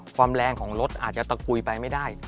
ความแรงของรถอาจจะตะกุยไปไม่ได้